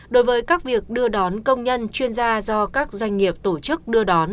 đối với các việc đưa đón công nhân chuyên gia do các doanh nghiệp tổ chức đưa đón